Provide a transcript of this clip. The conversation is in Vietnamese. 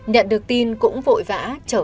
nhận được tin cũng vội vã